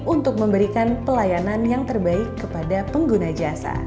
untuk memberikan pelayanan yang terbaik kepada pengguna jasa